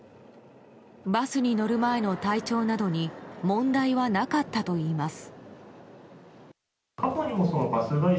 バスに乗る前の体調などに問題はなかったといいます。